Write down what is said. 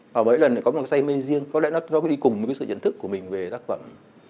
và mấy lần này có một say mê riêng có lẽ nó đi cùng với sự nhận thức của mình về tác phẩm